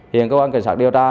hiện cơ quan cảnh sát điều tra